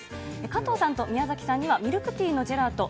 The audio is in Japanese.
加藤さんと宮崎さんにはミルクティーのジェラート。